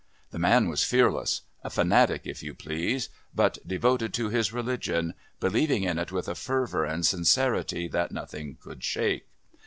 The man was fearless, a fanatic if you please, but devoted to his religion, believing in it with a fervour and sincerity that nothing could shake.